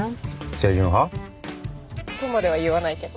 清純派？とまでは言わないけど。